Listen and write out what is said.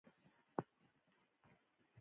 ټول موټر منظم تلل.